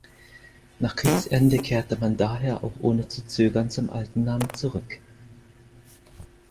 Nach Kriegsende kehrte man daher auch ohne zu zögern zum alten Namen zurück.